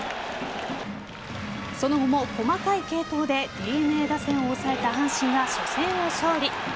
その後も細かい継投でＤｅＮＡ打線を抑えた阪神が初戦を勝利。